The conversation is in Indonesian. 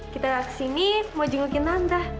kita gak kesini mau jengukin anda